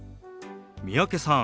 三宅さん